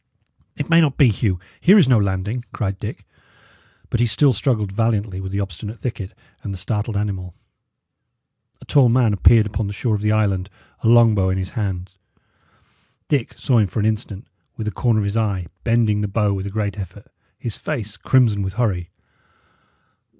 "It may not be, Hugh; here is no landing," cried Dick; but he still struggled valiantly with the obstinate thicket and the startled animal. A tall man appeared upon the shore of the island, a long bow in his hand. Dick saw him for an instant, with the corner of his eye, bending the bow with a great effort, his face crimson with hurry.